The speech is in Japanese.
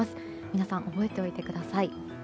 皆さん、覚えておいてください。